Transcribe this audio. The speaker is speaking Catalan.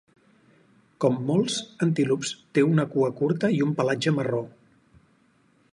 Com molts antílops, té una cua curta i un pelatge marró.